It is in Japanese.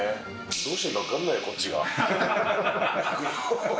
どうしていいか分かんないよ、こっちが。